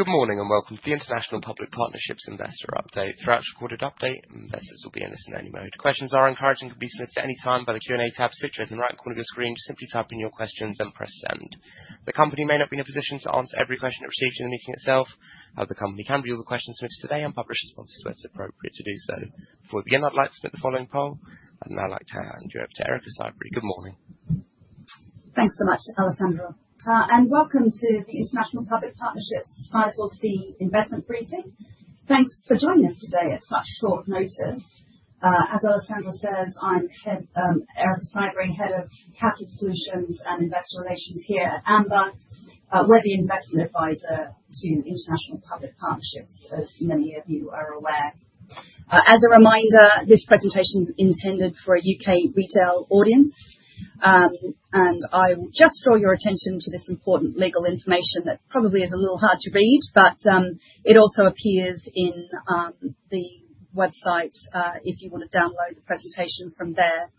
Good morning and welcome to the International Public Partnerships Limited Investor Update. Throughout this recorded update, investors will be in a listen-only mode. Questions are encouraged and can be submitted at any time by the Q&A tab situated in the right corner of your screen. Simply type in your questions and press send. The company may not be in a position to answer every question it receives in the meeting itself. The company can read all the questions submitted today and publish responses where it's appropriate to do so. Before we begin, I'd like to submit the following poll. I'd now like to hand you over to Erica Sibree. Good morning. Thanks so much, Alessandro, and welcome to the International Public Partnerships' Sizewell C investment briefing. Thanks for joining us today at such short notice as Alessandro says. I'm Erica Sibree, Head of Capital Solutions and Investor Relations here at Amber. We're the Investment Advisor to International Public Partnerships. As many of you are aware, as a reminder, this presentation is intended for a UK retail audience and I just draw your attention to this important legal information that probably is a little hard to read, but it also appears on the website if you want to download the presentation from there.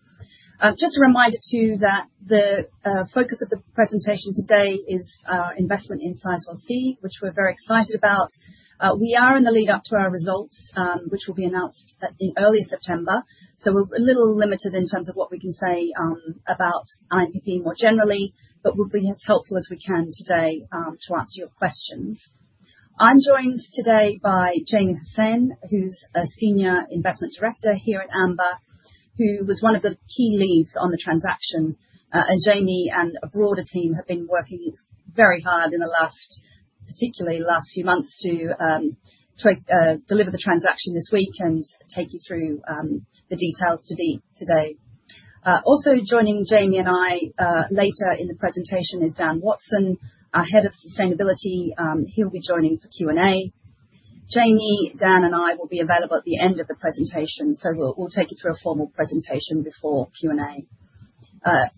Just a reminder to you that the focus of the presentation today is investment in Sizewell C, which we're very excited about. We are in the lead up to our results, which will be announced in early September, so we're a little limited in terms of what we can say about INPP more generally, but we'll be as helpful as we can today to answer your questions. I'm joined today by Jamie Hussain, who's a Senior Investment Director here at Amber, who was one of the key leads on the transaction. Jamie and a broader team have been working very hard in the last, particularly last few months to deliver the transaction this week and take you through the details today. Also joining Jamie and I later in the presentation is Dan Watson, our Head of Sustainability. He'll be joining for Q and A. Jamie, Dan and I will be available at the end of the presentation, so we'll take you through a formal presentation before Q and A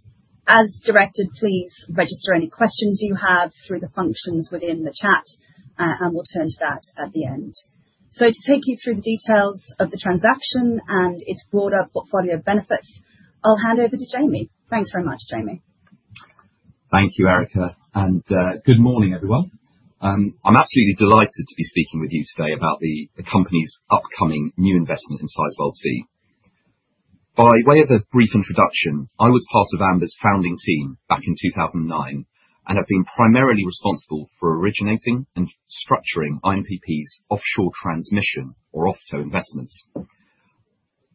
as directed. Please register any questions you have through the functions within the chat and we'll turn to that at the end. To take you through the details of the transaction and its broader portfolio of benefits, I'll hand over to Jamie. Thanks very much, Jamie. Thank you, Erica. Good morning, everyone. I'm absolutely delighted to be speaking with you today about the company's upcoming new investment in Sizewell C. By way of a brief introduction, I was part of Amber's founding team back in 2009 and have been primarily responsible for originating and structuring INPP's offshore transmission or OFTO investments.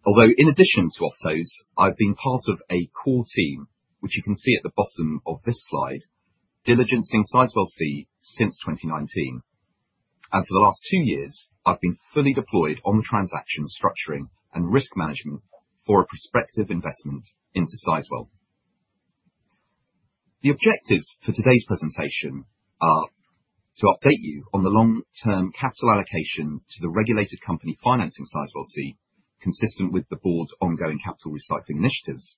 In addition to OFTOs, I've been part of a core team, which you can see at the bottom of this slide, diligencing Sizewell C since 2019, and for the last two years I've been fully deployed on the transaction structuring and risk management for prospective investment into Sizewell. The objectives for today's presentation are to update you on the long-term capital allocation to the regulated company financing Sizewell C, consistent with the Board's ongoing capital recycling initiatives,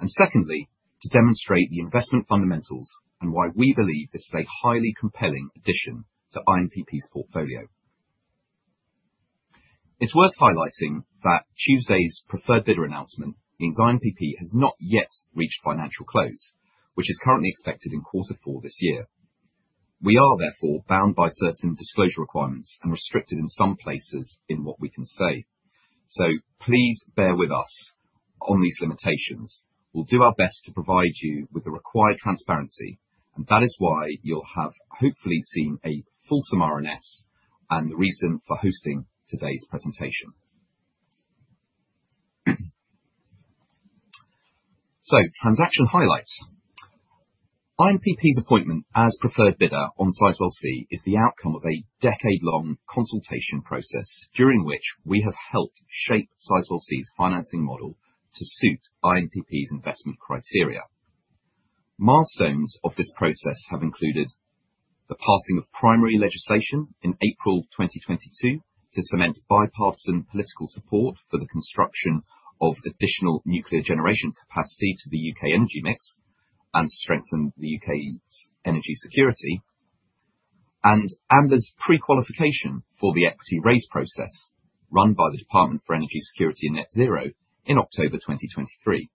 and to demonstrate the investment fundamentals and why we believe this is a highly compelling addition to INPP's portfolio. It's worth highlighting that Tuesday's preferred bidder announcement means INPP has not yet reached financial close, which is currently expected in quarter four this year. We are therefore bound by certain disclosure requirements and restricted in some places in what we can say. Please bear with us on these limitations. We'll do our best to provide you with the required transparency, and that is why you'll have hopefully seen a Folsom RNS and the reason for hosting today's presentation. Transaction highlights: INPP's appointment as preferred bidder on Sizewell C is the outcome of a decade-long consultation process during which we have helped shape Sizewell C's financing model to suit INPP's investment criteria. Milestones of this process have included the passing of primary legislation in April 2022 to cement bipartisan political support for the construction of additional nuclear generation capacity to the UK energy mix and strengthen the UK's energy security, and Amber's pre-qualification for the equity raise process run by the Department for Energy Security and Net Zero in October 2023.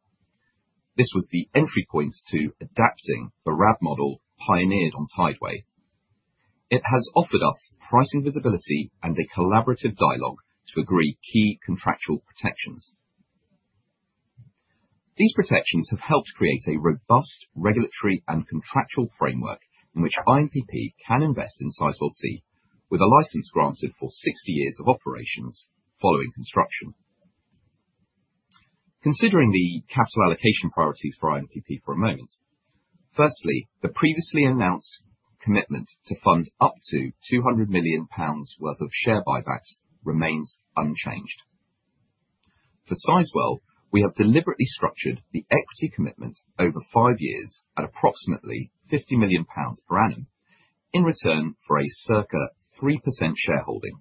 This was the entry point to adapting the RAB model pioneered on Tideway. It has offered us pricing visibility and a collaborative dialogue to agree key contractual protections. These protections have helped create a robust regulatory and contractual framework in which INPP can invest in Sizewell C with a license granted for 60 years of operations following construction. Considering the capital allocation priorities for INPP for a moment, firstly, the previously announced commitment to fund up to £200 million worth of share buybacks remains unchanged for Sizewell. We have deliberately structured the equity commitment over five years at approximately £50 million per annum in return for a circa 3% shareholding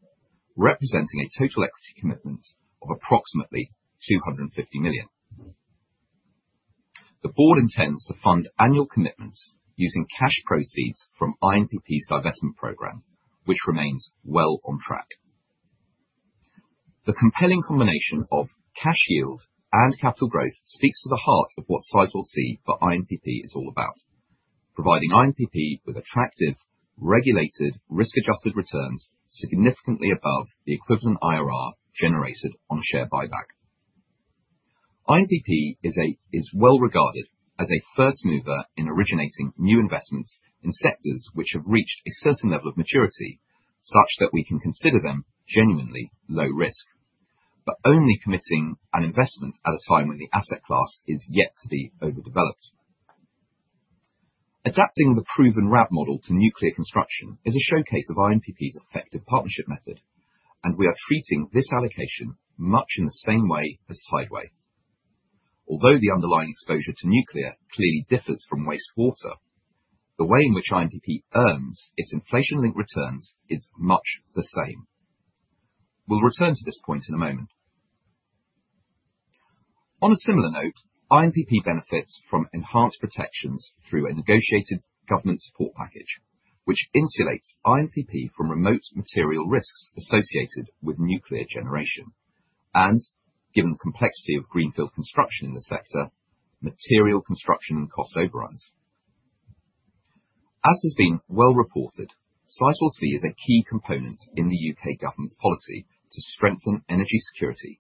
representing a total equity commitment of approximately £250 million. The Board intends to fund annual commitments using cash proceeds from INPP's divestment programme, which remains well on track. The compelling combination of cash yield and capital growth speaks to the heart of what Sizewell C for INPP is all about, providing INPP with attractive regulated risk-adjusted returns significantly above the equivalent IRR generated on a share buyback. INPP is well regarded as a first mover in originating new investments in sectors which have reached a certain level of maturity such that we can consider them genuinely low risk, but only committing an investment at a time when the asset class is yet to be overdeveloped. Adapting the proven RAB model to nuclear construction is a showcase of INPP's effective partnership method, and we are treating this allocation much in the same way as Tideway. Although the underlying exposure to nuclear clearly differs from wastewater, the way in which INPP earns its inflation-linked returns is much the same. We'll return to this point in a moment. On a similar note, INPP benefits from enhanced protections through a negotiated government support package which insulates INPP from remote material risks associated with nuclear generation and, given the complexity of greenfield construction in the sector, material construction and cost overruns. As has been well reported, Sizewell C is a key component in the UK government's policy to strengthen energy security,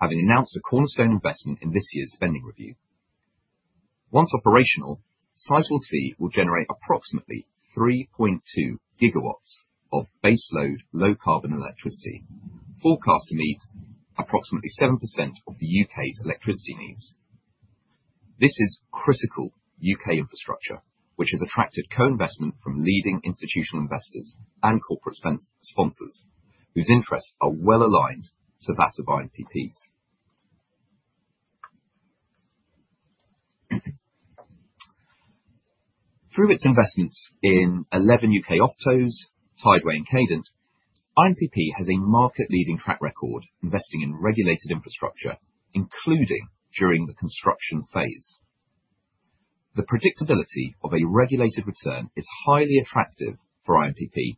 having announced a cornerstone investment in this year's spending review. Once operational, Sizewell C will generate approximately 3.2 gigawatts of baseload low carbon electricity, forecast to meet approximately 7% of the UK's electricity needs. This is critical UK infrastructure which has attracted co-investment from leading institutional investors and corporate sponsors whose interests are well aligned to that of INPP's. Through its investments in 11 UK assets, Tideway and Cadent, INPP has a market-leading track record investing in regulated infrastructure, including during the construction phase. The predictability of a regulated return is highly attractive for INPP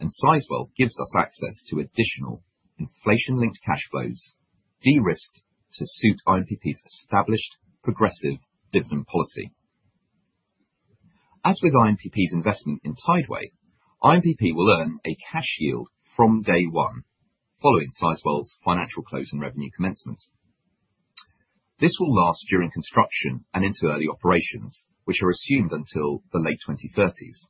and Sizewell gives us access to additional inflation-linked cash flows de-risked to suit INPP's established progressive dividend policy. As with INPP's investment in Tideway, INPP will earn a cash yield from day one following Sizewell's financial close and revenue commencement. This will last during construction and into early operations, which are assumed until the late 2030s.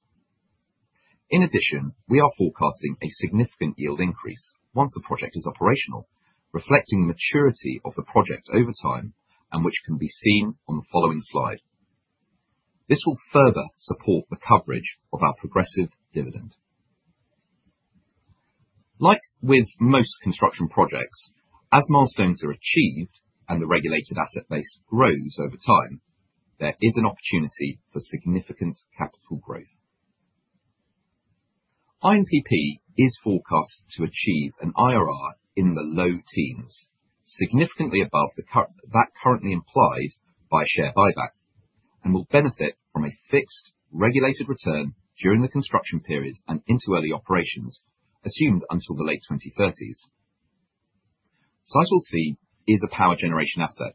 In addition, we are forecasting a significant yield increase once the project is operational, reflecting maturity of the project over time and which can be seen on the following slide. This will further support the coverage of our progressive dividend. Like with most construction projects, as milestones are achieved and the regulated asset base grows over time, there is an opportunity for significant capital growth. INPP is forecast to achieve an IRR in the low teens, significantly above that currently implied by share buyback, and will benefit from a fixed regulated return during the construction period and into early operations assumed until the late 2030s. Sizewell C is a power generation asset,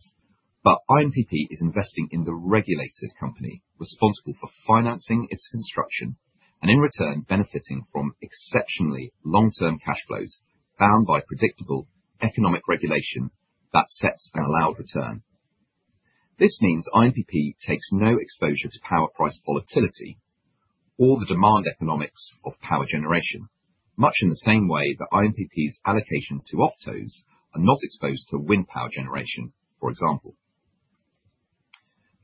but INPP is investing in the regulated company responsible for financing its construction and in return benefiting from exceptionally long-term cash flows bound by predictable economic regulation that sets an allowed return. This means INPP takes no exposure to power price volatility or the demand economics of power generation, much in the same way that INPP's allocation to OFTOs are not exposed to wind power generation. For example,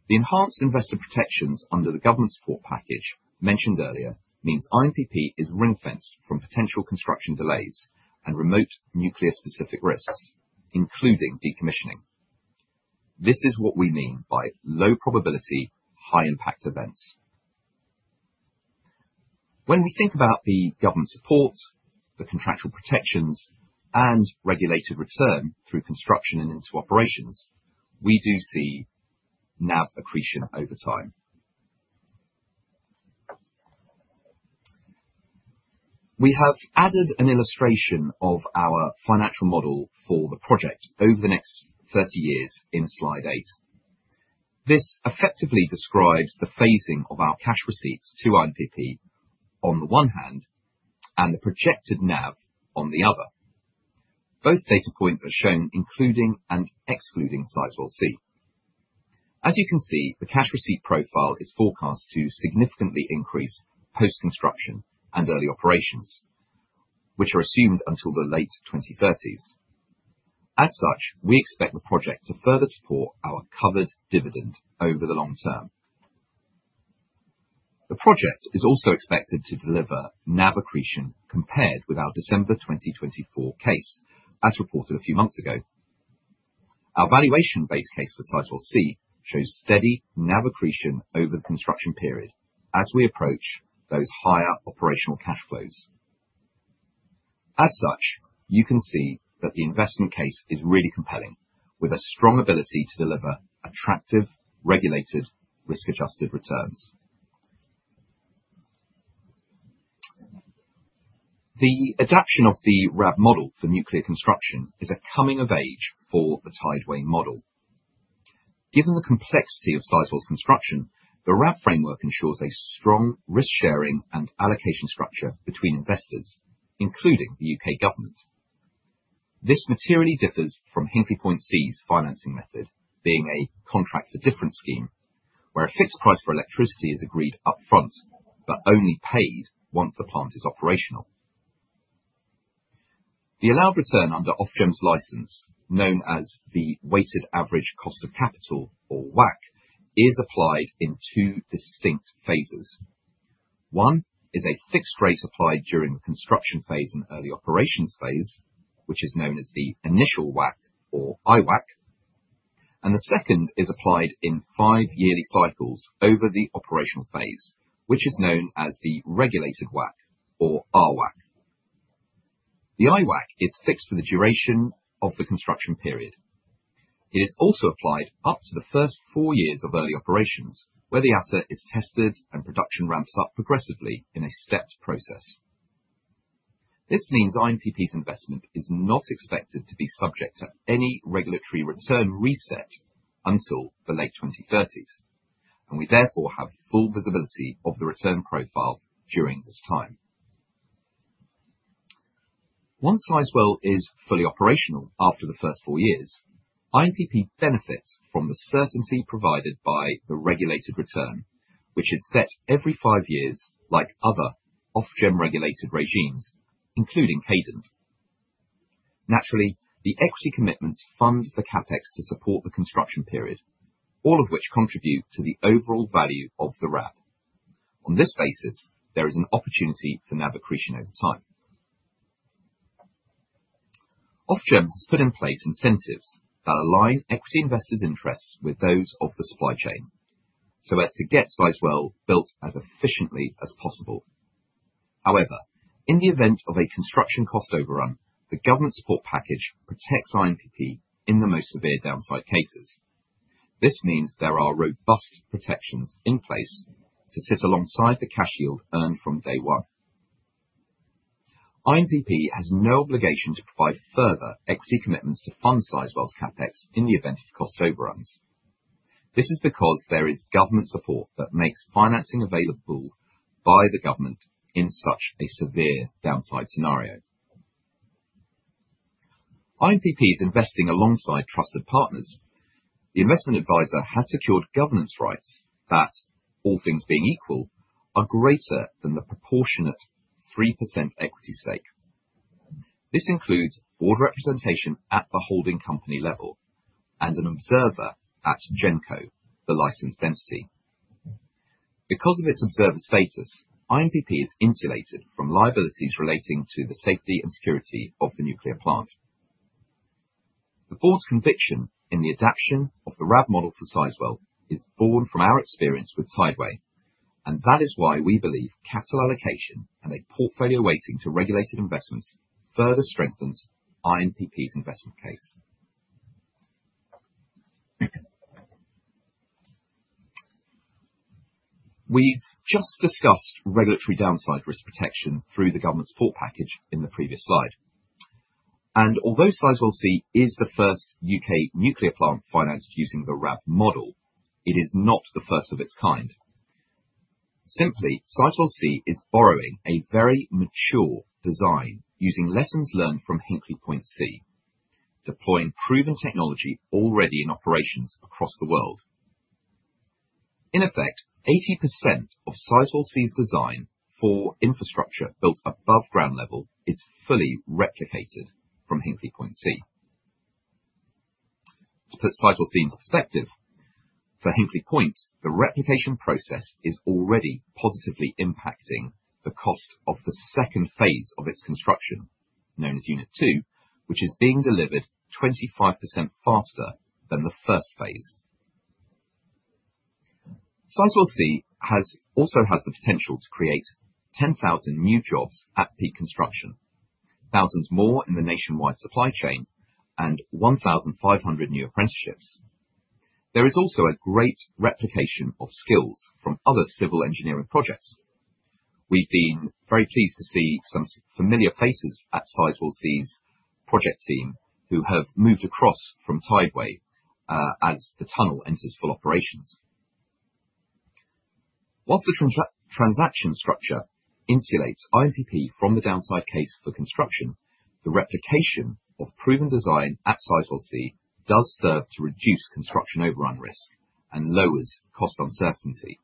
the enhanced investor protections under the government support package mentioned earlier means INPP is ring-fenced from potential construction delays and remote nuclear-specific risks including decommissioning. This is what we mean by low-probability, high-impact events. When we think about the government support, the contractual protections, and regulated return through construction and into operations, we do see NAV accretion over time. We have added an illustration of our financial model for the project over the next 30 years in slide 8. This effectively describes the phasing of our cash receipts to INPP on the one hand and the projected NAV on the other. Both data points are shown including and excluding Sizewell C. As you can see, the cash receipt profile is forecast to significantly increase post construction and early operations, which are assumed until the late 2030s. As such, we expect the project to further support our covered dividend over the long term. The project is also expected to deliver NAV accretion compared with our December 2024 case. As reported a few months ago, our valuation base case for Sizewell C shows steady NAV accretion over the construction period as we approach those higher operational cash flows. As such, you can see that the investment case is really compelling with a strong ability to deliver attractive regulated risk-adjusted returns. The adoption of the RAB model for nuclear construction is a coming of age for the Tideway model given the complexity of Sizewell's construction. The RAB framework ensures a strong risk sharing and allocation structure between investors, including the UK government. This materially differs from Hinkley Point C's financing method, being a contract for difference scheme where a fixed price for electricity is agreed up front but only paid once the plant is operational. The allowed return under Ofgem's license, known as the Weighted Average Cost of Capital or WACC, is applied in two distinct phases. One is a fixed rate applied during the construction phase and early operations phase, which is known as the initial WACC or IWAC, and the second is applied in five-year cycles over the operational phase, which is known as the regulated WACC or RWAC. The IWAC is fixed for the duration of the construction period. It is also applied up to the first four years of early operations, where the asset is tested and production ramps up progressively in a stepped process. This means INPP's investment is not expected to be subject to any regulatory return reset until the late 2030s, and we therefore have full visibility of the return profile during this time. Once Sizewell is fully operational after the first four years, INPP benefits from the certainty provided by the regulated return, which is set every five years. Like other Ofgem-regulated regimes, including Cadent, naturally, the equity commitments fund the CapEx to support the construction period, all of which contribute to the overall value of the RAB. On this basis, there is an opportunity for NAV accretion. Over time, Ofgem has put in place incentives that align equity investors' interests with those of the supply chain so as to get Sizewell built as efficiently as possible. However, in the event of a construction cost overrun, the government support package protects INPP in the most severe downside cases. This means there are robust protections in place to sit alongside the cash yield earned from day one. INPP has no obligation to provide further equity commitments to fund Sizewell's CapEx in the event of cost overruns. This is because there is government support that makes financing available by the government. In such a severe downside scenario, INPP is investing alongside trusted partners. The investment advisor has secured governance rights that, all things being equal, are greater than the proportionate 3% equity stake. This includes board representation at the holding company level and an observer at genco, the licensed entity. Because of its observer status, INPP is insulated from liabilities relating to the safety and security of the nuclear plant. The Board's conviction in the adoption of the RAB model for Sizewell is born from our experience with Tideway, and that is why we believe capital allocation and a portfolio weighting to regulated investments further strengthens INPP's investment case. We've just discussed regulatory downside risk protection through the government support package in the previous slide, and although Sizewell C is the first UK nuclear plant financed using the RAB model, it is not the first of its kind. Simply, Sizewell C is borrowing a very mature design using lessons learned from Hinkley Point C, deploying proven technology already in operations across the world. In effect, 80% of Sizewell C's design for infrastructure built above ground level is fully replicated from Hinkley Point C. To put Sizewell C into perspective for Hinkley Point, the replication process is already positively impacting the cost of the second phase of its construction, known as Unit 2, which is being delivered 25% faster than the first phase. Sizewell C also has the potential to create 10,000 new jobs at peak construction, thousands more in the nationwide supply chain, and 1,500 new apprenticeships. There is also a great replication of skills from other civil engineering projects. We've been very pleased to see some familiar faces at Sizewell C's project team who have moved across from Tideway as the tunnel enters full operations. Whilst the transaction structure insulates INPP from the downside case for construction, the replication of proven design at Sizewell C does serve to reduce construction overrun risk and lowers cost uncertainty.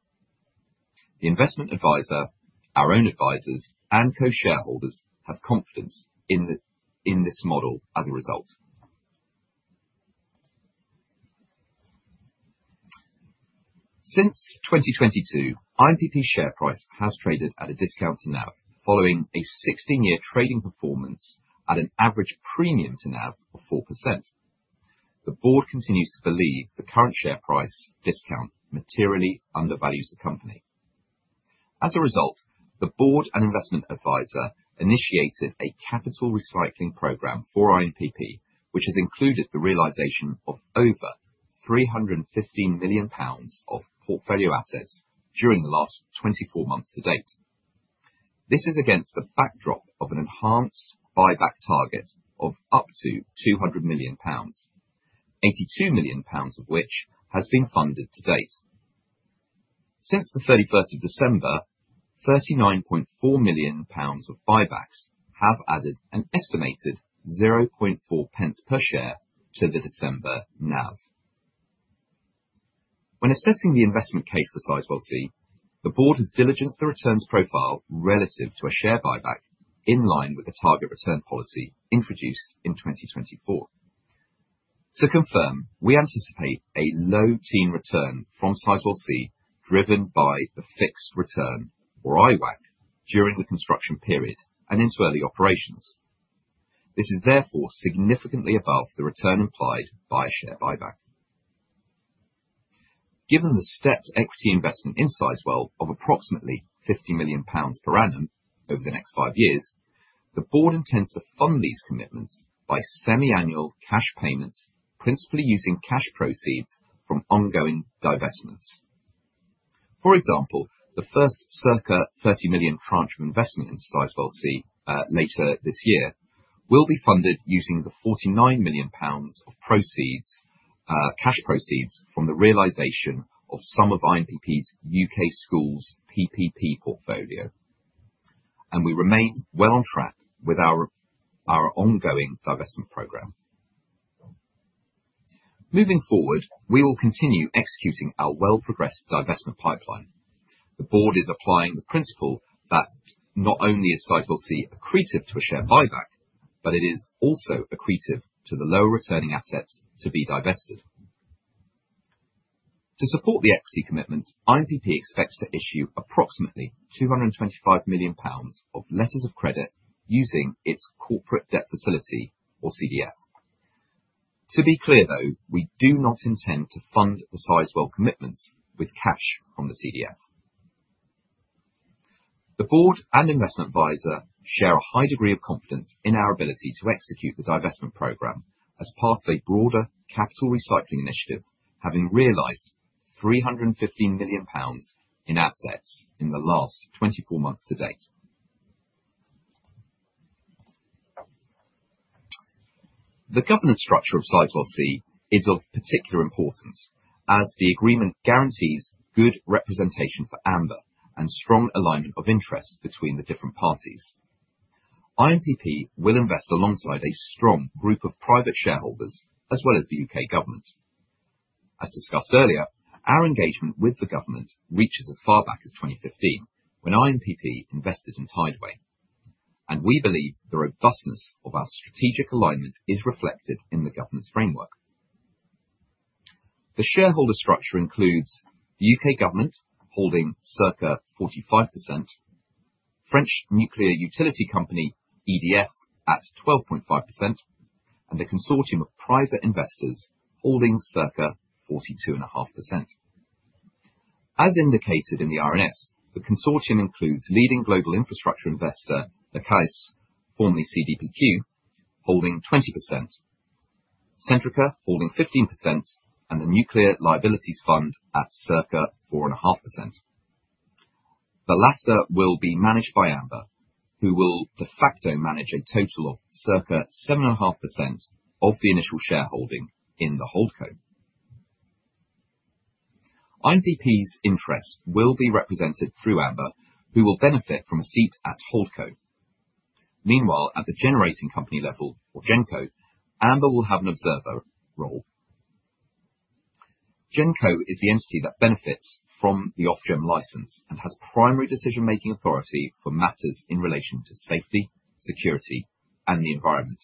The Investment Advisor, our own advisors, and co-shareholders have confidence in this model. As a result, since 2022, INPP's share price has traded at a discount to NAV following a 16-year trading performance at an average premium to NAV of 4%. The Board continues to believe the current share price discount materially undervalues the company. As a result, the Board and Investment Advisor initiated a capital recycling program for INPP, which has included the realization of over £315 million of portfolio assets during the last 24 months to date. This is against the backdrop of an enhanced buyback target of up to £200 million, £82 million of which has been funded to date. Since December 31, £39.4 million of buybacks have added an estimated £0.004 per share to the December NAV. When assessing the investment case for Sizewell C, the Board has diligenced the returns profile relative to a share buyback in line with the target return policy introduced in 2024. To confirm, we anticipate a low teen return from Sizewell C driven by the fixed return or IWAC during the construction period and into early operations. This is therefore significantly above the return implied by a share buyback given the stepped equity investment in Sizewell of approximately £50 million per annum over the next five years. The Board intends to fund these commitments by semi-annual cash payments, principally using cash proceeds from ongoing divestments. For example, the first circa £30 million tranche of investment in Sizewell C later this year will be funded using the £49 million of cash proceeds from the realization of some of INPP's UK schools PPP portfolio, and we remain well on track with our ongoing divestment program. Moving forward, we will continue executing our well-progressed divestment pipeline. The Board is applying the principle that not only is Sizewell C accretive to a share buyback, but it is also accretive to the lower returning assets to be divested. To support the equity commitment, INPP expects to issue approximately £225 million of letters of credit using its corporate debt facility, or CDF. To be clear, though we do not intend to fund the Sizewell commitments with cash from the CDF, the Board and Investment Advisor share a high degree of confidence in our ability to execute the divestment program as part of a broader capital recycling initiative, having realized £315 million in assets in the last 24 months to date. The governance structure of Sizewell C is of particular importance as the agreement guarantees good representation for Amber and strong alignment of interest between the different parties. INPP will invest alongside a strong group of private shareholders as well as the UK government. As discussed earlier, our engagement with the government reaches as far back as 2015 when INPP invested in Tideway and we believe the robustness of our strategic alignment is reflected in the government's framework. The shareholder structure includes the UK government holding circa 45%, French nuclear utility company EDF at 12.5%, and a consortium of private investors holding circa 42.5%. As indicated in the RNS, the consortium includes a leading global infrastructure investor holding 20%, Centrica holding 15%, and the Nuclear Liabilities Fund at circa 4.5%. The latter will be managed by Amber, who will de facto manage a total of circa 7.5% of the initial shareholding in the HoldCo. INPP's interests will be represented through Amber, who will benefit from a seat at HoldCo. Meanwhile, at the generating company level, Amber will have an observer role. GenCo is the entity that benefits from the OFGEM license and has primary decision-making authority for matters in relation to safety, security, and the environment.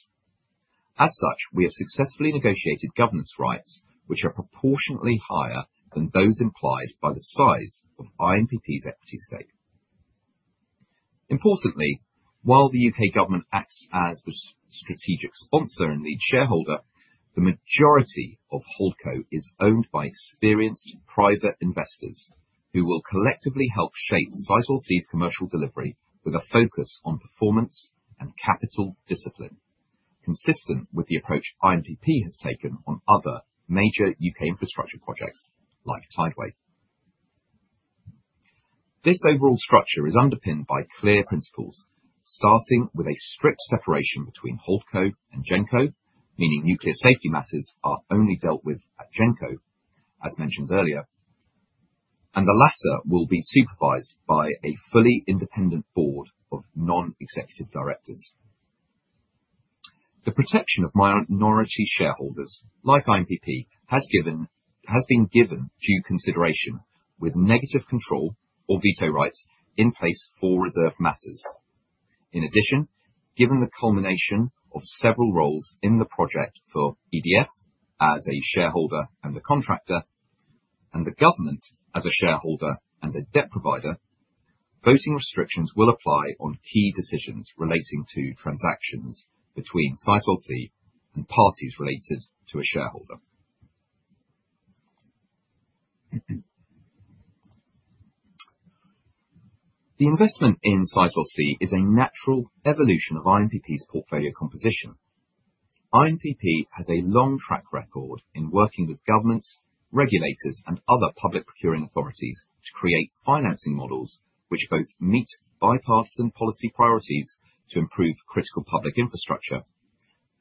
As such, we have successfully negotiated governance rights which are proportionately higher than those implied by the size of INPP's equity stake. Importantly, while the UK government acts as the strategic sponsor and lead shareholder, the majority of HoldCo is owned by experienced private investors who will collectively help shape Sizewell C's commercial delivery with a focus on performance and capital discipline consistent with the approach INPP has taken on other major UK infrastructure projects like Tideway. This overall structure is underpinned by clear principles, starting with a strict separation between HoldCo and GenCo, meaning nuclear safety matters are only dealt with at GenCo as mentioned earlier and the latter will be supervised by a fully independent board of non-executive directors. The protection of minority shareholders like INPP has been given due consideration with negative control or veto rights in place for reserve matters. In addition, given the culmination of several roles in the project for EDF as a shareholder and a contractor and the government as a shareholder and a debt provider, voting restrictions will apply on key decisions relating to transactions between Sizewell C and parties related to a shareholder. The investment in Sizewell C is a natural evolution of INPP's portfolio composition. INPP has a long track record in working with governments, regulators, and other public procuring authorities to create financing models which both meet bipartisan policy priorities to improve critical public infrastructure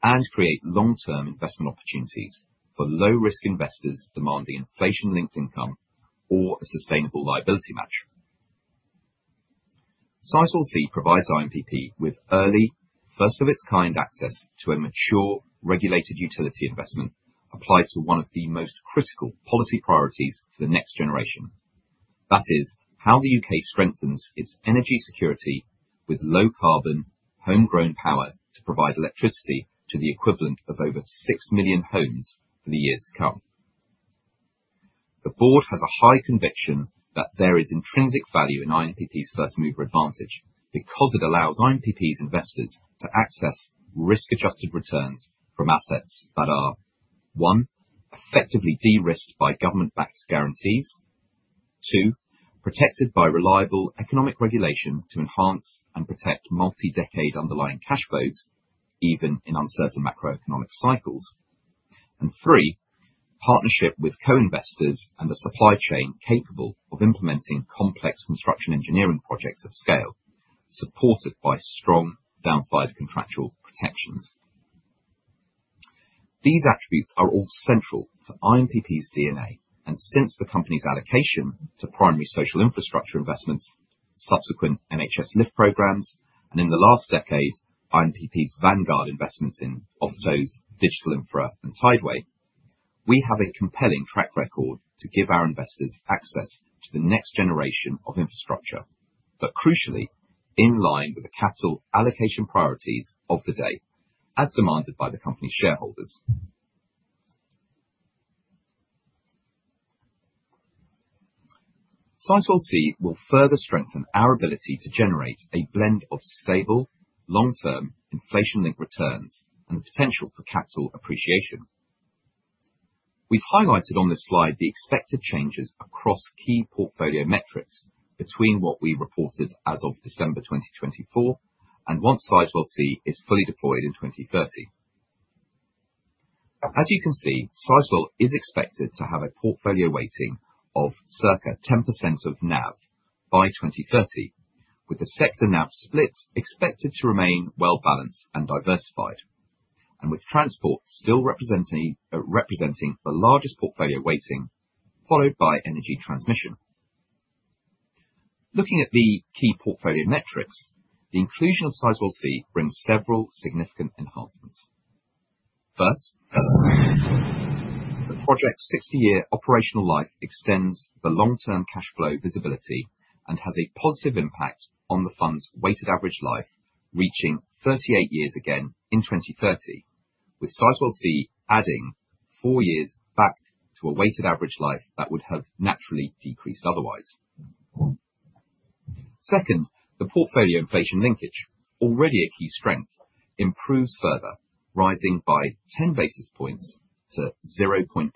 and create long-term investment opportunities for low-risk investors demanding inflation-linked income or a sustainable liability match. Sizewell C provides INPP with early first-of-its-kind access to a mature regulated utility investment applied to one of the most critical policy priorities, the next generation. That is how the UK strengthens its energy security with low-carbon homegrown power to provide electricity to the equivalent of over 6 million homes for the years to come. The Board has a high conviction that there is intrinsic value in INPP's first-mover advantage because it allows INPP's investors to access risk-adjusted returns from assets that are, one, effectively de-risked by government-backed guarantees, two, protected by reliable economic regulation to enhance and protect multi-decade underlying cash flows even in uncertain macroeconomic cycles, and three, partnership with co-investors and a supply chain capable of implementing complex construction engineering projects of scale supported by strong downside contractual pressure protections. These attributes are all central to INPP's DNA and since the company's allocation to primary social infrastructure investments, subsequent NHS LIFT programs, and in the last decade INPP's vanguard investments in OFTOs, digital infra, and Tideway. We have a compelling track record to give our investors access to the next generation of infrastructure, but crucially in line with the capital allocation priorities of the day as demanded by the company's shareholders. Sizewell C will further strengthen our ability to generate a blend of stable long-term inflation-linked returns and the potential for capital appreciation we've highlighted on this slide. The expected changes across key portfolio metrics between what we reported as of December 2024 and once Sizewell C is fully deployed in 2030. As you can see, Sizewell C is expected to have a portfolio weighting of circa 10% of NAV by 2030, with the sector NAV split expected to remain well balanced and diversified, and with transport still representing the largest portfolio weighting, followed by energy transmission. Looking at the key portfolio metrics, the inclusion of Sizewell C brings several significant enhancements. First, the project's 60-year operational life extends the long-term cash flow visibility and has a positive impact on the fund's weighted average life, reaching 38 years again in 2030, with Sizewell C adding four years back to a weighted average life that would have naturally decreased otherwise. Second, the portfolio inflation linkage, already a key strength, improves further, rising by 10 basis points to 0.8%,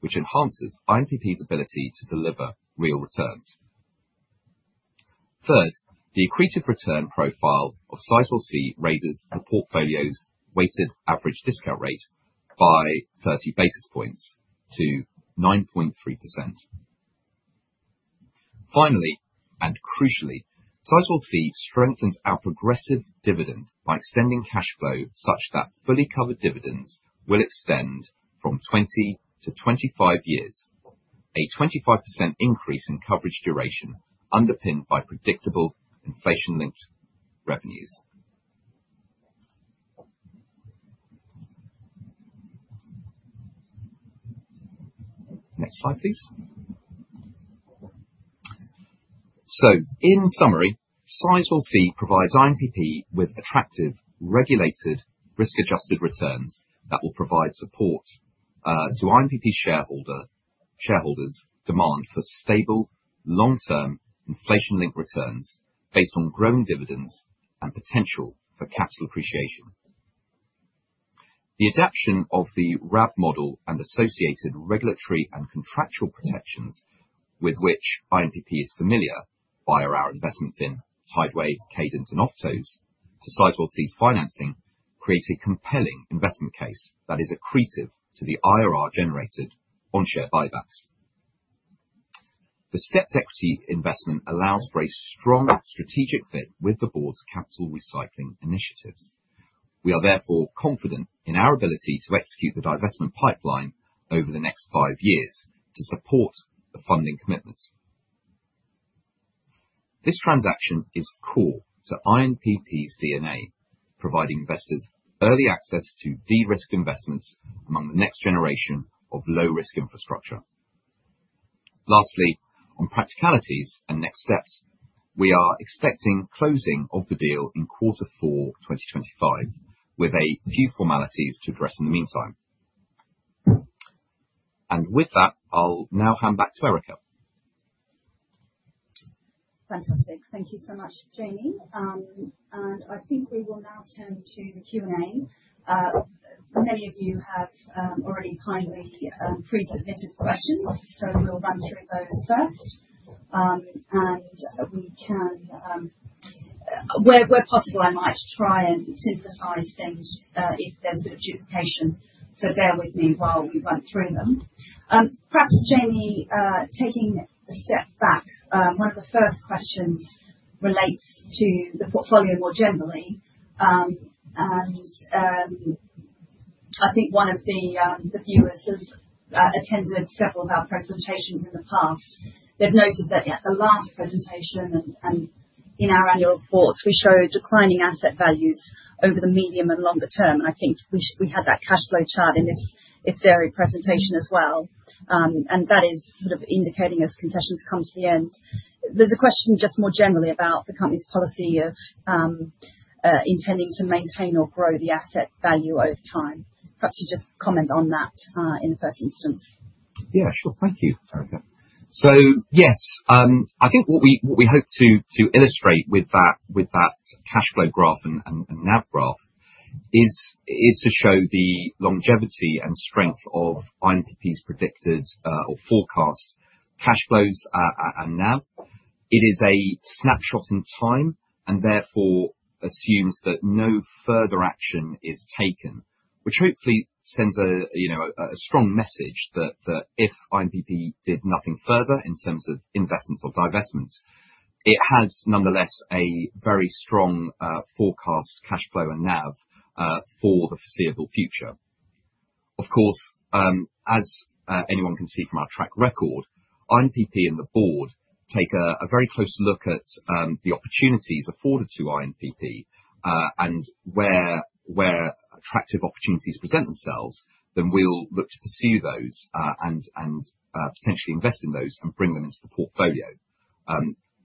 which enhances INPP's ability to deliver real returns. Third, the accretive return profile of Sizewell C raises the portfolio's weighted average discount rate by 30 basis points to 9.3%. Finally, and crucially, Sizewell C strengthens our progressive dividend by extending cash flow such that fully covered dividends will extend from 20 to 25 years, a 25% increase in coverage duration underpinned by predictable inflation-linked revenues. Next slide please. In summary, Sizewell C provides INPP with attractive regulated risk-adjusted returns that will provide support to INPP shareholders' demand for stable long-term inflation-linked returns based on growing dividends and potential for capital appreciation. The adoption of the RAB model and associated regulatory and contractual protections, with which INPP is familiar via our investments in Tideway, Cadent, and OFTOs, to Sizewell C's financing, create a compelling investment case that is accretive to the IRR generated on share buybacks. The stepped equity investment allows for a strong strategic fit with the Board's capital recycling initiatives. We are therefore confident in our ability to execute the divestment pipeline over the next five years to support the funding commitments. This transaction is core to INPP's DNA, providing investors early access to de-risked investments among the next generation of low-risk infrastructure. Lastly, on practicalities and next steps, we are expecting closing of the deal in quarter four 2025 with a few formalities to address in the meantime, and with that I'll now hand back to Erica. Fantastic. Thank you so much, Jamie, and I think we will now turn to the Q and A. Many of you have already kindly pre-submitted questions, so we'll run through those first. Where possible, I might try and synthesize things if there's a bit of duplication, so bear with me while we work through them. Perhaps, Jamie, taking a step back, one of the first questions relates to the portfolio more generally, and I think one of the viewers has attended several of our presentations in the past. They've noted that at the last presentation and in our annual reports, we show declining asset values over the medium and longer term. I think we had that cash flow chart in this very presentation as well. That is sort of indicating, as concessions come to the end, there's a question just more generally about the company's policy of intending to maintain or grow the asset value over time. Perhaps you just comment on that in the first instance. Yeah, sure. Thank you, Erica. Yes, I think what we hope to illustrate with that cash flow graph and NAV graph is to show the longevity and strength of INPP's predicted or forecast cash flows and NAV. It is a snapshot in time and therefore assumes that no further action is taken, which hopefully sends a strong message that if INPP did nothing further in terms of investments or divestments, it has nonetheless a very strong forecast cash flow and NAV for the foreseeable future. Of course, as anyone can see from our track record, INPP and the board take a very close look at the opportunities afforded to INPP. Where attractive opportunities present themselves, we will look to pursue those and potentially invest in those and bring them into the portfolio.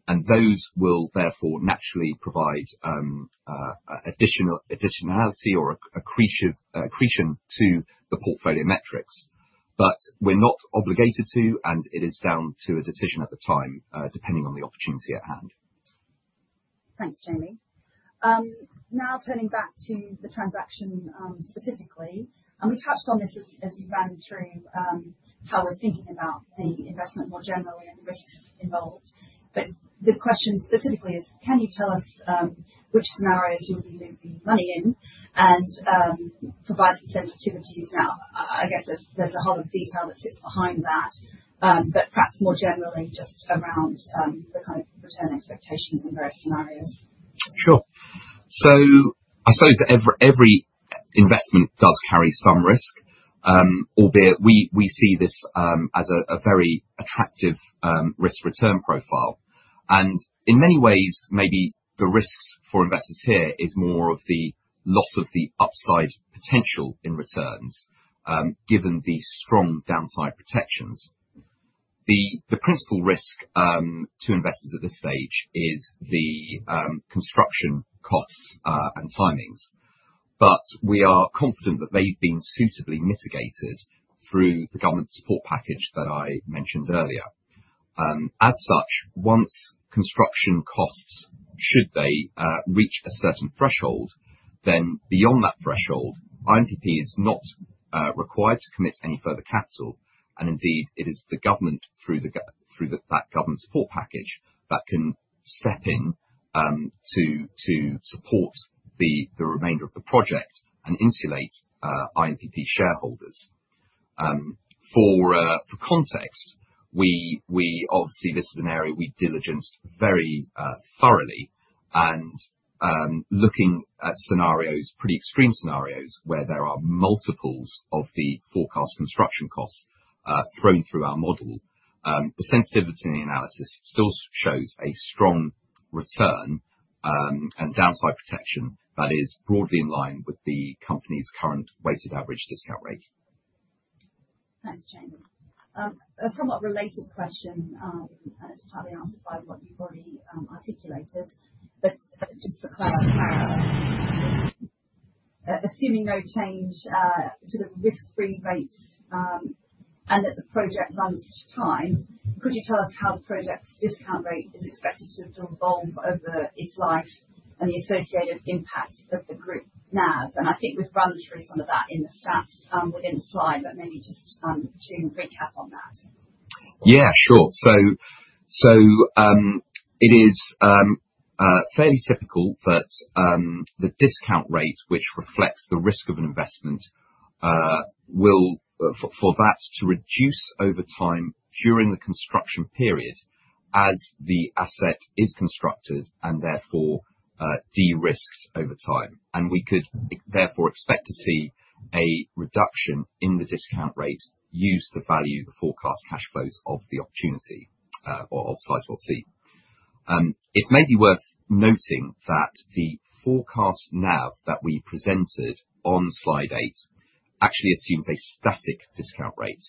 Those will therefore naturally provide additionality or accretion to the portfolio metrics. We are not obligated to, and it is down to a decision at the time, depending on the opportunity at hand. Thanks, Jamie. Now, turning back to the transaction specifically, and we touched on this as you ran through how we're thinking about the investment more generally and the risks involved. The question specifically is, can you tell us which scenarios you'll be losing money in and provide some sensitivities? I guess there's a whole lot of detail that sits behind that, but perhaps more generally, just around the kind of return expectations in various scenarios. Sure. I suppose every investment does carry some risk, albeit we see this as a very attractive risk return profile. In many ways, maybe the risks for investors here is more of the loss of the upside potential in returns, given the strong downside protections. The principal risk to investors at this stage is the construction costs and timings, but we are confident that they've been suitably mitigated through the government support package that I mentioned earlier. As such, once construction costs, should they reach a certain threshold, then beyond that threshold, INPP is not required to commit any further capital, and indeed, it is the government, through that government support package, that can step in to support the remainder of the project and insulate INPP shareholders. For context, obviously this is an area we diligenced very thoroughly and looking at scenarios, pretty extreme scenarios, where there are multiples of the forecast construction costs thrown through our model, the sensitivity in the analysis still shows a strong return and downside protection that is broadly in line with the company's current weighted average discount rate. Thanks, Jamie. A somewhat related question, and it's partly answered by what you've already articulated, but just for clarity, assuming no change to the risk-free rates and that the project runs to time, could you tell us how the project's discount rate is expected to evolve over its life and the associated impact of the group NAV? I think we've run through some of that in the stats within the slide, but maybe just to recap on that. Yeah, sure. It is fairly typical that the discount rate, which reflects the risk of an investment, reduces over time during the construction period as the asset is constructed and therefore de-risked over time. We could therefore expect to see a reduction in the discount rate used to value the forecast cash flows of the opportunity of Sizewell C. It may be worth noting that the forecast NAV that we presented on slide 8 actually assumes a static discount rate.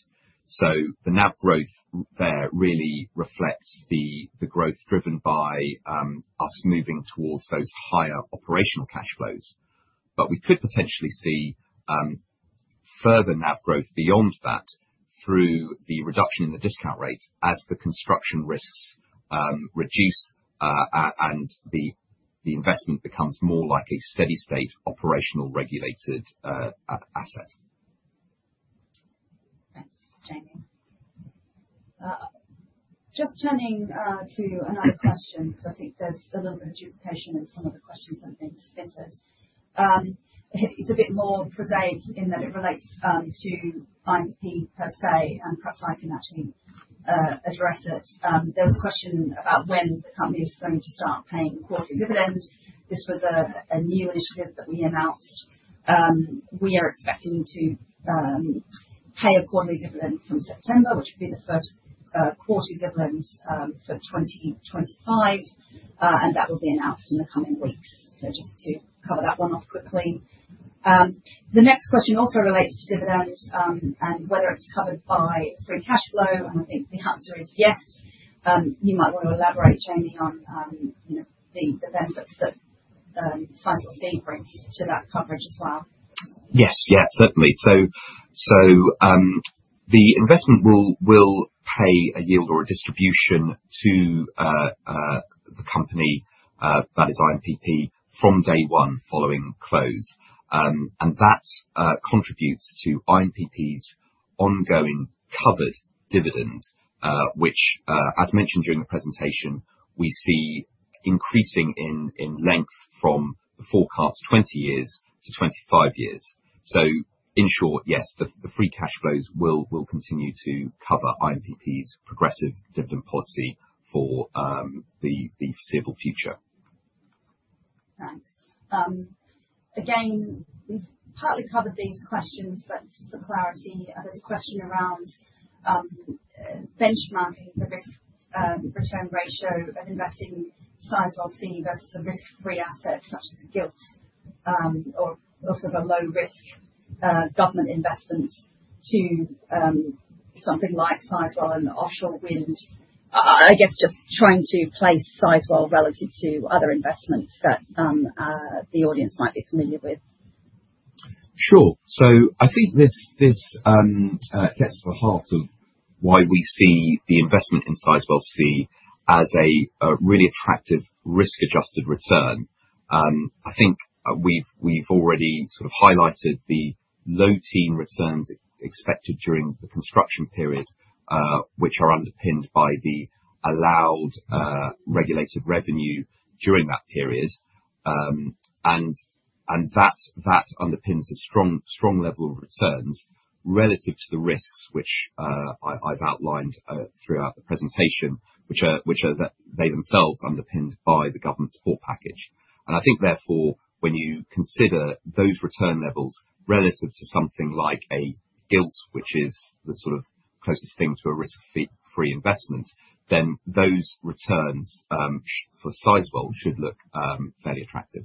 The NAV growth there really reflects the growth driven by us moving towards those higher operational cash flows. We could potentially see further NAV growth beyond that through the reduction in the discount rate as the construction risks reduce and the investment becomes more like a steady state operational regulated asset. Thanks, Jamie. Just turning to another question because I think there's a little bit of duplication in some of the questions that have been submitted. It's a bit more prosaic in that it relates to INPP per se and perhaps I can actually address it. There was a question about when the company is going to start paying quarterly dividends. This was a new initiative that we announced. We are expecting to pay a quarterly dividend from September, which would be the first quarterly dividend for 2025, and that will be announced in the coming weeks. Just to cover that one off quickly, the next question also relates to dividend and whether it's covered by free cash flow. I think the answer is yes. You might want to elaborate, Jamie, on the benefits that Sizewell C brings to that coverage as well. Yes, certainly. The investment will pay a yield or a distribution to the company that is INPP from day one following close, and that contributes to INPP's ongoing covered dividend, which, as mentioned during the presentation, we see increasing in length from the forecast 20 years to 25 years. In short, yes, the free cash flows will continue to cover INPP's progressive dividend policy for the foreseeable future. Thanks again. We've partly covered these questions, but for clarity, there's a question around benchmarking the risk return ratio of investing Sizewell C versus a risk-free asset such as a gilt or sort of a low-risk government investment to something like Sizewell C and Offshore Wind. I guess just trying to place Sizewell C relative to other investments that the audience might be familiar with. Sure. I think this gets to the heart of why we see the investment in Sizewell C as a really attractive risk-adjusted return. I think we've already highlighted the low teen returns expected during the construction period, which are underpinned by the allowed regulated revenue during that period. That underpins a strong level of returns relative to the risks, which I've outlined throughout the presentation, which are themselves underpinned by the government support package. Therefore, when you consider those return levels relative to something like a gilt, which is the closest thing to a risk-free investment, those returns for Sizewell should look fairly attractive.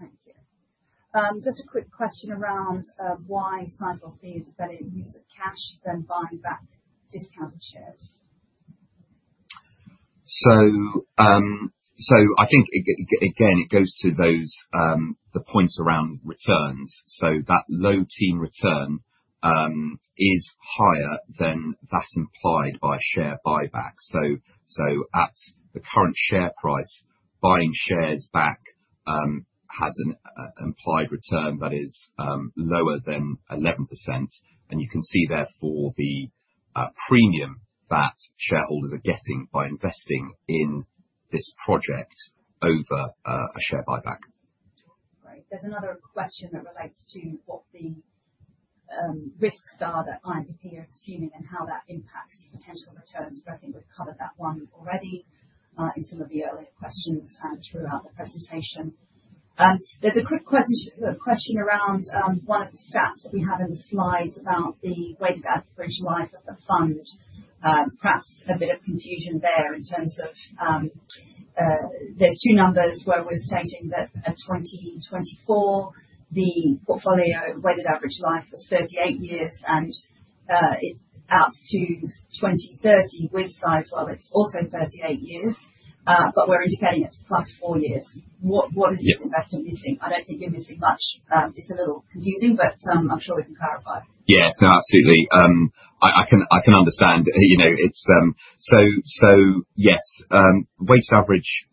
Thank you. Just a quick question around why Sizewell C is a better use of cash than buying back discounted shares? I think again it goes to those the point around returns. That low teen return is higher than that implied by share buyback. At the current share price, buying shares back has an implied return that is lower than 11%. You can see therefore the premium that shareholders are getting by investing in this project over a share buyback. There's another question that relates to what the risks are that INPP are assuming and how that impacts the potential. I think we've covered that one already in some of the earlier questions and throughout the presentation. There's a quick question around one of the stats that we have in the slides about the weighted average life of the fund. Perhaps a bit of confusion there in terms of there's two numbers where we're stating that at 2024 the portfolio weighted average life was 38 years and out to 2030 with Sizewell, it's also 38 years, but we're indicating it's plus four years. What is this investment missing? I don't think you're missing much. It's a little confusing, but I'm sure we can clarify. Yes, absolutely, I can understand. It's weighted average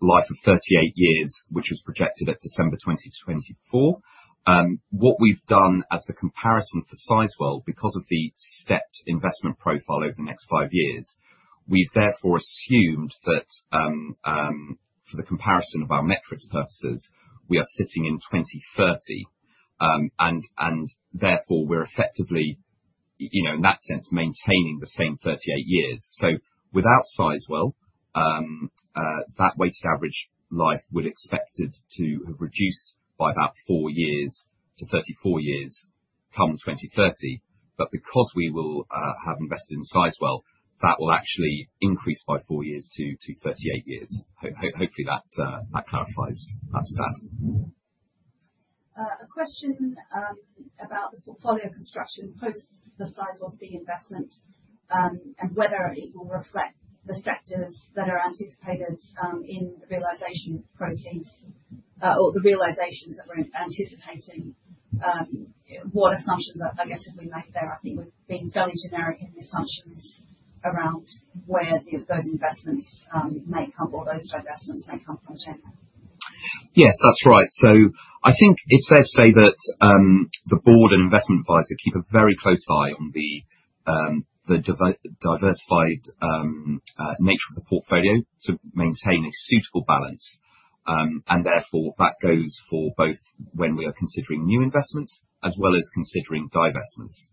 life of 38 years, which was projected at December 2024. What we've done as the comparison for Sizewell, because of the stepped investment profile over the next five years, we've therefore assumed that for the comparison of our metrics purposes we are sitting in 2030 and therefore we're effectively in that sense maintaining the same 38 years. Without Sizewell, that weighted average life would be expected to have reduced by about four years to 34 years come 2030. Because we will have invested in Sizewell, that will actually increase by four years to 38 years. Hopefully that clarifies up to that. A question about the portfolio construction post the Sizewell C investment and whether it will reflect the sectors that are anticipated in realization proceeds or the realizations that we're anticipating. What assumptions, I guess, if we make there. I think we've been fairly generic in the assumptions around where those investments may come or those divestments may come from. Yes, that's right. I think it's fair to say that the board and investment advisor keep a very close eye on the diversified nature of the portfolio to maintain a suitable balance. That goes for both when we are considering new investments as well as considering divestments.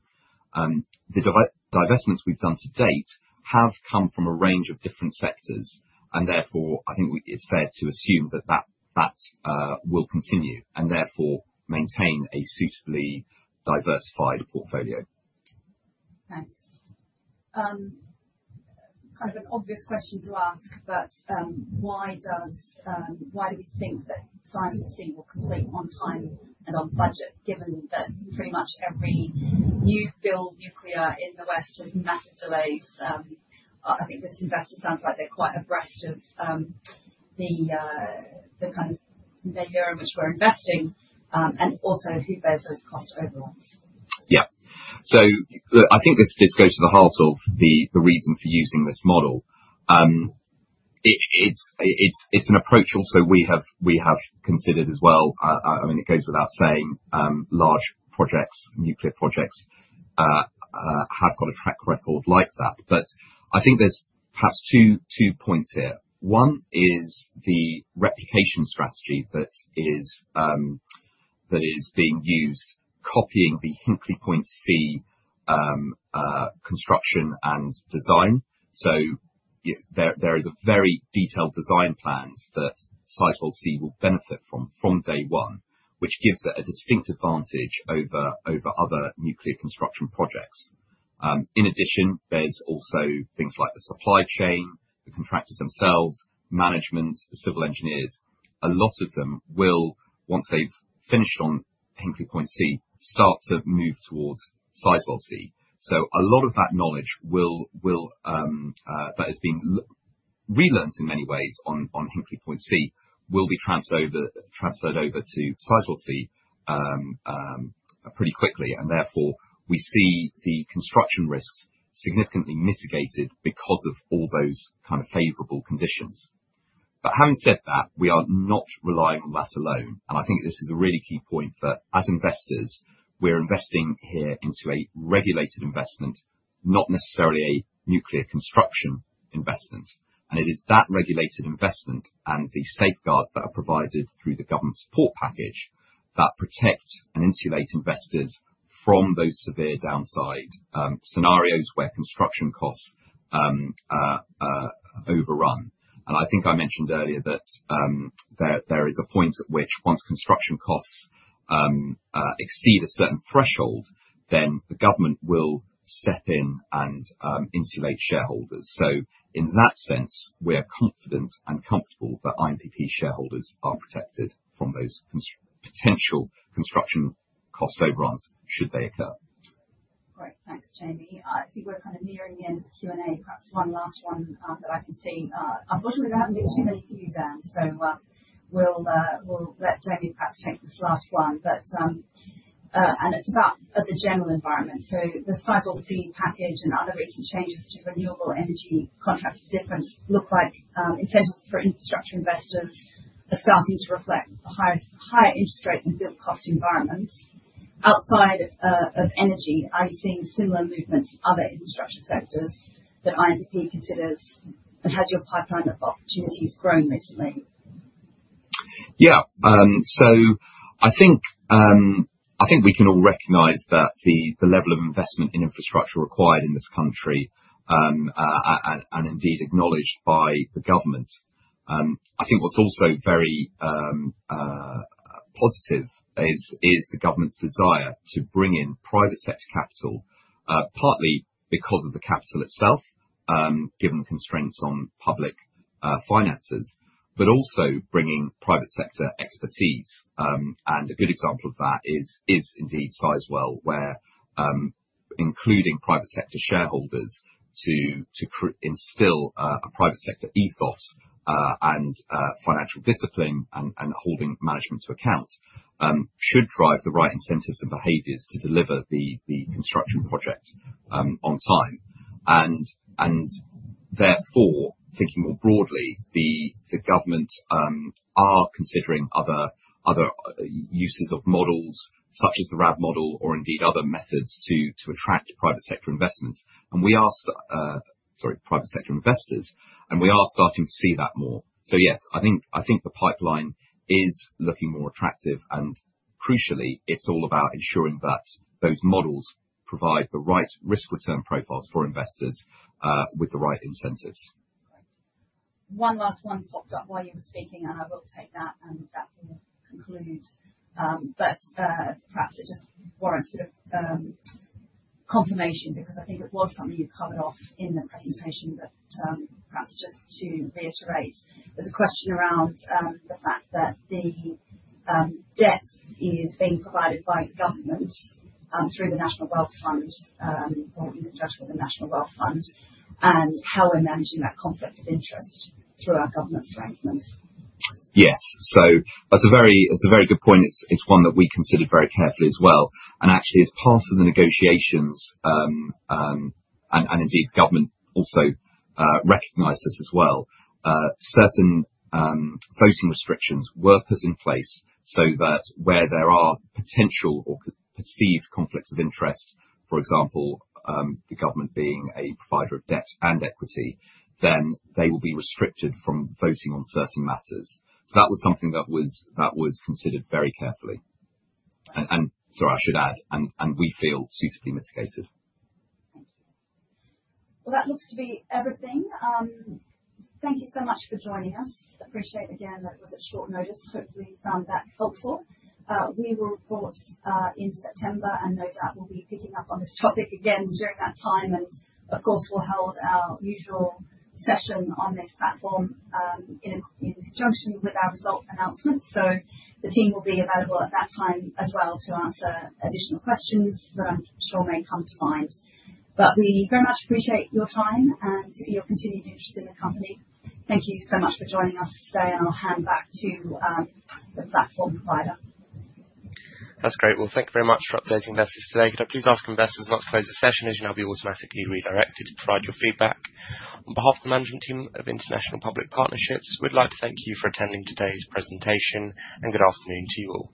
The divestments we've done to date have come from a range of different sectors, and I think it's fair to assume that will continue and therefore maintain a suitably diversified portfolio. Thanks. Kind of an obvious question to ask, but why do we think that Sizewell C will complete on time and on budget, given that pretty much every new build nuclear in the West has massive delays? I think this investor sounds like they're quite abreast of the kind of spirit in which we're investing and also who bears those cost overruns. Yeah. I think this goes to the heart of the reason for using this model. It's an approach we have considered as well. It goes without saying large projects, nuclear projects have got a track record like that. I think there's perhaps two points here. One is the replication strategy that is being used, copying the Hinkley Point C construction and design. There are very detailed design plans that Sizewell C will benefit from from day one, which gives it a distinct advantage over other nuclear construction projects. In addition, there's also things like the supply chain, the contractors themselves, management, civil engineers. A lot of them will, once they've finished on Hinkley Point C, start to move towards Sizewell C. A lot of that knowledge that has been relearned in many ways on Hinkley Point C will be transferred over to Sizewell C pretty quickly. Therefore, we see the construction risks significantly mitigated because of all those kind of favorable conditions. Having said that, we are not relying on that alone. I think this is a really key point that as investors we're investing here into a regulated investment, not necessarily a nuclear construction investment. It is that regulated investment and the safeguards that are provided through the government support package that protect and insulate investors from those severe downside scenarios where construction costs overrun. I think I mentioned earlier that there is a point at which once construction costs exceed a certain threshold, then the government will step in and insulate shareholders. In that sense, we are confident and comfortable that INPP shareholders are protected from those potential construction cost overruns, should they occur. Great, thanks, Jamie. I think we're kind of nearing the end of the Q and A. Perhaps one last one that I can see. Unfortunately, there haven't been too many for you, Dan, so we'll let Jamie perhaps take this last one. It's about the general environment. The Sizewell C package and other recent changes to renewable energy contrast different look like incentives for infrastructure investors are starting to reflect higher interest rate and build cost environments outside of energy. Are you seeing similar movements in other infrastructure sectors that INPP considers? Has your pipeline of opportunities grown recently? Yeah. I think we can all recognize that the level of investment in infrastructure required in this country and indeed acknowledged by the government. I think what's also very positive is the government's desire to bring in private sector capital, partly because of the capital itself, given constraints on public finances, but also bringing private sector expertise. A good example of that is indeed Sizewell, where including private sector shareholders to instill a private sector ethos and financial discipline and holding management to account should drive the right incentives and behaviors to deliver the construction project on time. Therefore, thinking more broadly, the government are considering other uses of models, such as the RAB model or indeed other methods to attract private sector investment. We asked private sector investors, and we are starting to see that more. Yes, I think the pipeline is looking more attractive and crucially, it's all about ensuring that those models provide the right risk return profiles for investors with the right incentives. One last one popped up while you were speaking, and I will take that and that will conclude. Perhaps it just warrants a bit of confirmation because I think it was something you covered off in the presentation. Just to reiterate, there's a question around the fact that the debt is being provided by government through the National Wealth Fund, the National Wealth Fund, and how we're managing that conflict of interest through our government's arrangements. Yes. It's a very good point. It's one that we considered very carefully as well. Actually, as part of the negotiations, and indeed the government also recognized this as well, certain voting restrictions were put in place so that where there are people, potential or perceived conflicts of interest, for example, the government being a provider of debt and equity, they will be restricted from voting on certain matters. That was considered very carefully, and sorry, I should add, we feel suitably mitigated. Thank you. That looks to be everything. Thank you so much for joining us. Appreciate that. Again, that was at short notice. Hopefully you found that helpful. We will report in September, and no doubt we'll be picking up on this topic again during that time. Of course, we'll hold our usual session on this platform in conjunction with our result announcements. The team will be available at that time as well to answer additional questions that I'm sure may come to mind. We very much appreciate your time and your continued interest in the company. Thank you so much for joining us today. I'll hand back to the platform provider. That's great. Thank you very much for updating investors today. Could I please ask investors not to close the session, as you will now be automatically redirected to provide your feedback. On behalf of the management team of International Public Partnerships Limited, we'd like to thank you for attending today's presentation. Good afternoon to you all.